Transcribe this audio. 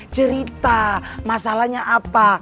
cerita masalahnya apa